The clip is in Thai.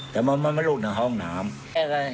แต่มันไม่ลุดถึงห้องน้ำ